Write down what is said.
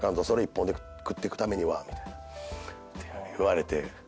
「それ一本で食ってくためには」って言われて。